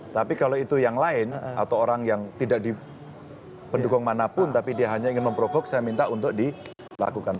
tapi kalau itu yang lain atau orang yang tidak di pendukung manapun tapi dia hanya ingin memprovok saya minta untuk dilakukan